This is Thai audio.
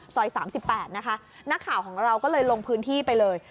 ๓๘นะคะนักข่าวของเราก็เลยลงพื้นที่ไปเลย